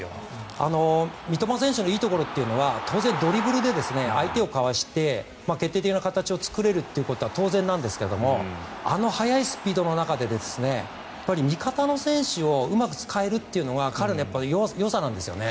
三笘選手のいいところというのはドリブルで相手をかわして決定的な形を作れるというのは当然なんですがあの速いスピードの中で味方の選手をうまく使えるのは彼のよさなんですね。